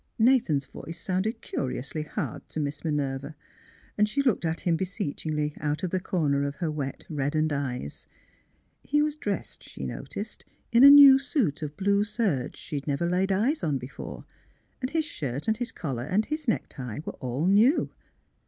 Nathan's voice sounded curiously hard to Miss Minerva, and she looked at him beseechingly out of the corner of her wet, reddened eyes. He was •dressed (she noticed) in a new suit of blue serge, she'd never laid eyes on before, and his shirt and his collar and his necktie were all new.